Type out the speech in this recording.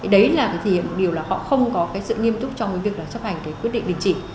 đấy là điều là họ không có sự nghiêm túc trong việc chấp hành quyết định định chỉ